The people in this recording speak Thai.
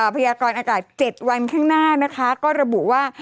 พยากรอากาศ๗วันข้างหน้านะคะก็ระบุว่า